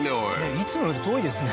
いつもより遠いですね